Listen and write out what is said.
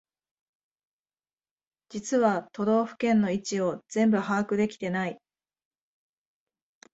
実は都道府県の位置を全部把握できてない